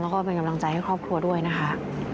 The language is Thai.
แล้วก็เป็นกำลังใจให้ครอบครัวด้วยนะคะ